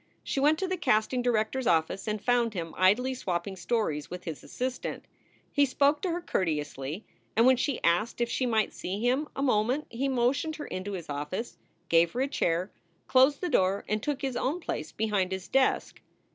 She went to the casting director s office and found him idly swapping stories with his assistant. He spoke to her cour teously, and when she asked if she might see him a moment he motioned her into his office, gave her a chair, closed the door, and took his own place behind his desk.